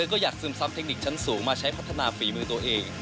ก็อยากซึมซับเทคนิคชั้นสูงมาใช้พัฒนาฝีมือตัวเอง